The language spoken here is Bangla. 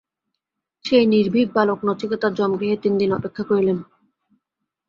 সেই নির্ভীক বালক নচিকেতা যমগৃহে তিন দিন অপেক্ষা করিলেন।